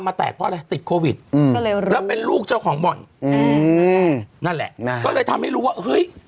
บ้านตรงนี้มันระบาดเนี่ย